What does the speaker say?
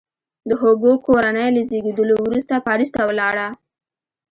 د هوګو کورنۍ له زیږېدلو وروسته پاریس ته ولاړه.